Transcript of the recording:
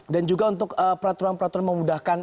dan juga untuk peraturan peraturan memudahkan